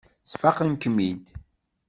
Sfaqent-kem-id.